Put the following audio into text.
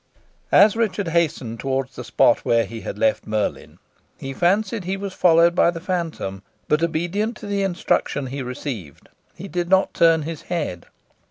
As Richard hastened towards the spot where he had left Merlin, he fancied he was followed by the phantom; but, obedient to the injunction he received, he did not turn his head.